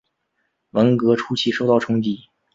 文革初期受到冲击。